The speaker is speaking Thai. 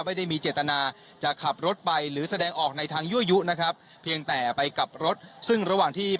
ไม่ได้มีเจตนาจะขับรถไป